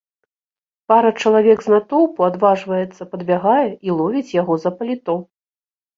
Пара чалавек з натоўпу адважваецца, падбягае і ловіць яго за паліто.